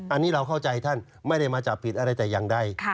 อันนี้เราเข้าใจท่านไม่ได้มาจับผิดอะไรแต่อย่างใด